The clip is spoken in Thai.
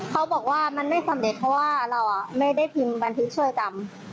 เขาบอกว่ามันไม่สำเร็จเพราะว่าเราไม่ได้พิมพ์บันทึกช่วยกรรม